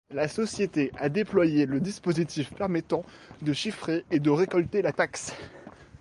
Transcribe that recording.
La société a déployé le dispositif permettant de chiffrer et récolter la taxe.